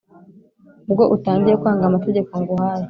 Ubwo utangiye kwangaAmategeko nguhaye,